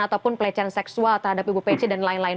ataupun pelecehan seksual terhadap ibu pece dan lain lain